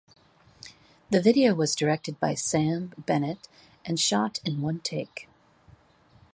The video was directed by Sam Bennett and shot in one take.